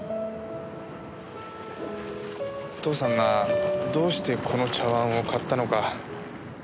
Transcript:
お父さんがどうしてこの茶碗を買ったのか。